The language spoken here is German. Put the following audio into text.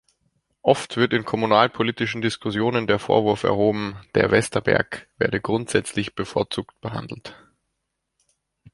Oft wird in kommunalpolitischen Diskussionen der Vorwurf erhoben, der Westerberg werde grundsätzlich bevorzugt behandelt.